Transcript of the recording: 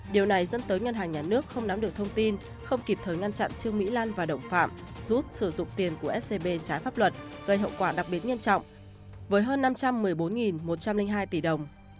điều này dẫn tới ngân hàng nhà nước không nắm được thông tin không kịp thời ngăn chặn trương mỹ lan và đồng phạm rút sử dụng tiền của scb trái pháp luật gây hậu quả đặc biệt nghiêm trọng với hơn năm trăm một mươi bốn một trăm linh hai tỷ đồng